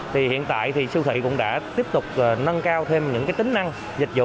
thì hiện tại thì siêu thị cũng đã tiếp tục nâng cao thêm những tính năng dịch vụ